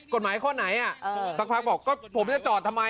กฎหมายข้อไหนสักพักบอกก็ผมจะจอดทำไม